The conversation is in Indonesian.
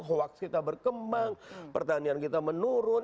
hoax kita berkembang pertanian kita menurun